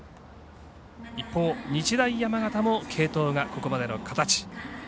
一方、日大山形も継投がここまでの形。